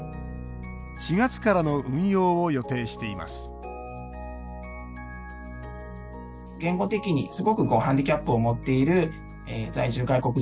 ４月からの運用を予定しています